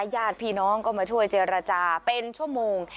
ญาติพี่น้องก็มาช่วยเจรจาเป็นชั่วโมง